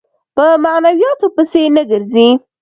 په معنوياتو پسې نه ګرځي.